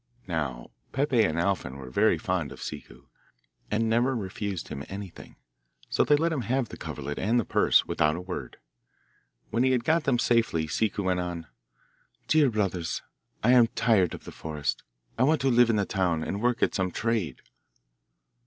Now Peppe and Alfin were very fond of Ciccu, and never refused him anything, so they let him have the coverlet and the purse without a word. When he had got them safely Ciccu went on, 'Dear brothers, I am tired of the forest. I want to live in the town, and work at some trade.